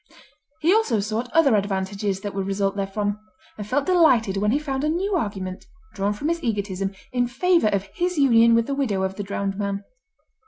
He also sought other advantages that would result therefrom, and felt delighted when he found a new argument, drawn from his egotism, in favour of his union with the widow of the drowned man.